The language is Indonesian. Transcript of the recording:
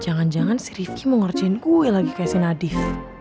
jangan jangan si rifki mau ngerjain gue lagi kayak si nadif